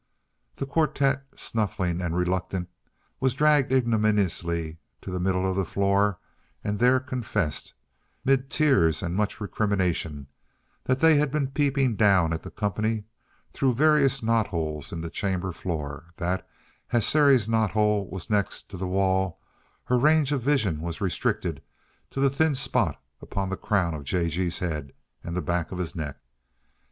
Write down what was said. The quartet, snuffling and reluctant, was dragged ignominiously to the middle of the floor and there confessed, 'mid tears and much recrimination, that they had been peeping down at the "comp'ny" through various knot holes in the chamber floor; that, as Sary's knot hole was next the wall, her range of vision was restricted to the thin spot upon the crown of J. G.'s head, and the back of his neck.